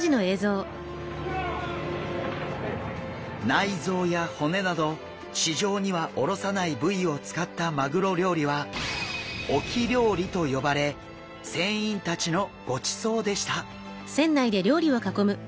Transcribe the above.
内臓や骨など市場には卸さない部位を使ったマグロ料理は沖料理と呼ばれ船員たちのごちそうでした。